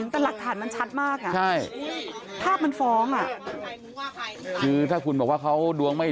แต่หลักฐานมันชัดมากอ่ะใช่ภาพมันฟ้องอ่ะคือถ้าคุณบอกว่าเขาดวงไม่